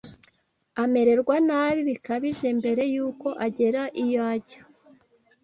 amererwa nabi bikabije mbere y’uko agera iyo ajya